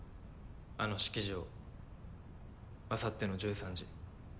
あの式場あさっての１３時。